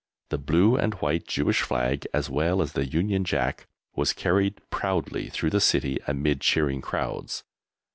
The blue and white Jewish flag as well as the Union Jack was carried proudly through the City amid cheering crowds.